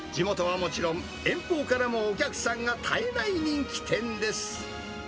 地元はもちろん、遠方からもお客さんが絶えない人気店です。